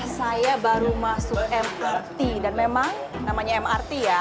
saya baru masuk mrt dan memang namanya mrt ya